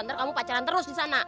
ntar kamu pacaran terus di sana